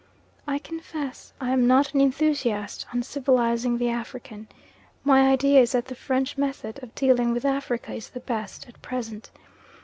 I confess I am not an enthusiast on civilising the African. My idea is that the French method of dealing with Africa is the best at present.